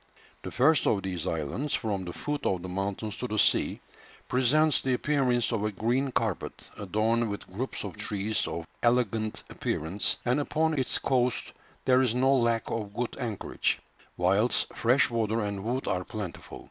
The first of these islands, from the foot of the mountains to the sea, presents the appearance of a green carpet, adorned with groups of trees of elegant appearance, and upon its coast there is no lack of good anchorage, whilst fresh water and wood are plentiful.